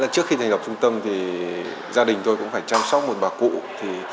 trước khi thành lập trung tâm gia đình tôi cũng phải chăm sóc một bà cụ